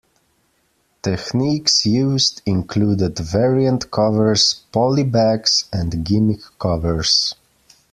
Techniques used included variant covers, polybags, and gimmick covers.